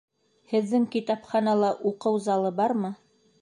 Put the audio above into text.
Һеҙҙең китапханала уҡыу залы бармы?